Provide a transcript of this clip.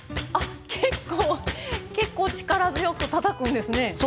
結構力強くたたくんですね。